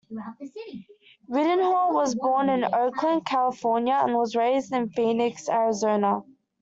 Ridenhour was born in Oakland, California, and was raised in Phoenix, Arizona.